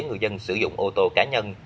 người dân sử dụng ô tô cá nhân